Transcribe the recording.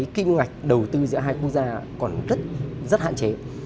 kinh ngạch đầu tư giữa hai quốc gia còn rất hạn chế